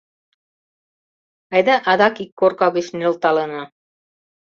Айда адак ик корка гыч нӧлталына.